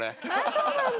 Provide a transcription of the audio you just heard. そうなんだ。